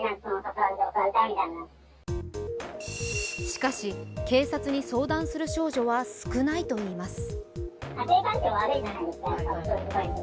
しかし警察に相談する少女は少ないといいます。